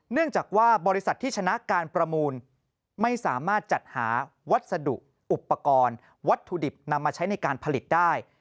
เนื่องจากว่าบริษัทที่ชนะการประมูลไม่สามารถจัดหาวัสดุอุปกรณ์วัตถุดิบนำมาใช้ในการผลิตได้